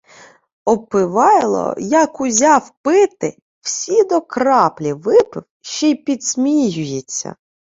Обпивайло як узяв пити, всі до краплі випив ще й підсміюється.